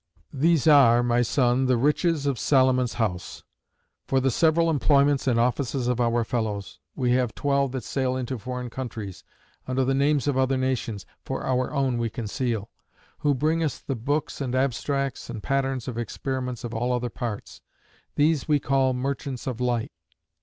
"These are (my son) the riches of Salomon's House. "For the several employments and offices of our fellows; we have twelve that sail into foreign countries, under the names of other nations, (for our own we conceal); who bring us the books, and abstracts, and patterns of experiments of all other parts. These we call Merchants of Light.